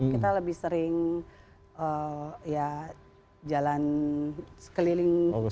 kita lebih sering jalan sekeliling